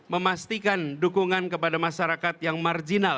memastikan dukungan kepada masyarakat yang marginal